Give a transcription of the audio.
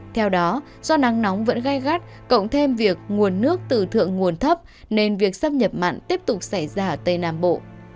theo đó do nắng nóng vẫn gây gắt cộng thêm việc nguồn nước từ thượng nguồn thấp nên việc xâm nhập mặn tiếp tục xảy ra ở tây nam bộ